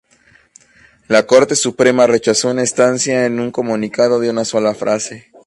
La Corte Suprema rechazó una estancia en un comunicado de una sola frase.